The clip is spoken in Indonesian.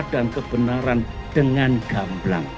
dan kebenaran dengan gamblang